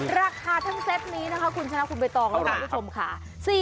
ราคาทั้งเซตนี้นะคะคุณชนะคุณใบตองและคุณผู้ชมค่ะ